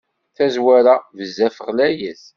Tazwara, bezzaf ɣlayet.